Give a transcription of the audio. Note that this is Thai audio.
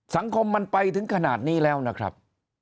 สังคมมันไปถึงขนาดนี้แล้วนะครับ